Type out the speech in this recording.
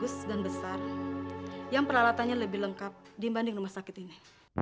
khusus dan besar yang peralatannya lebih lengkap dibanding rumah sakit ini